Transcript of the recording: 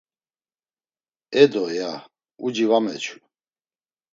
“Edo!” ya, uci va meçu.